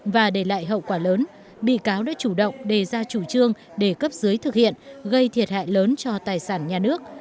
và để lại hậu quả lớn bị cáo đã chủ động đề ra chủ trương để cấp dưới thực hiện gây thiệt hại lớn cho tài sản nhà nước